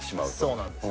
そうなんです。